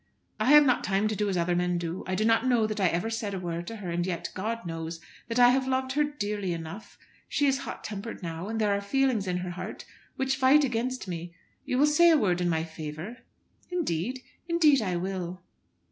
"I have not time to do as other men do. I do not know that I ever said a word to her; and yet, God knows, that I have loved her dearly enough. She is hot tempered now, and there are feelings in her heart which fight against me. You will say a word in my favour?" "Indeed, indeed I will."